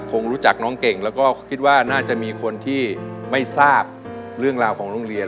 คงรู้จักน้องเก่งแล้วก็คิดว่าน่าจะมีคนที่ไม่ทราบเรื่องราวของโรงเรียน